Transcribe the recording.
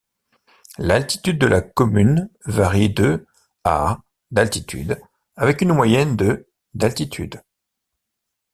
L'altitude de la commune varie de à d'altitude, avec une moyenne de d'altitude.